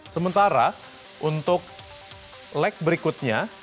sementara untuk leg berikutnya